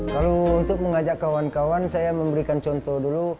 kalau untuk mengajak kawan kawan saya memberikan contoh dulu